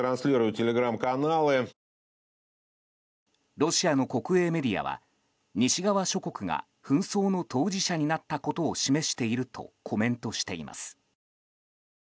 ロシアの国営メディアは西側諸国が紛争の当事者になったことを示しているとコメントしています。